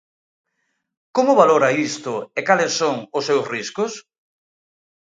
Como valora isto e cales son os seus riscos?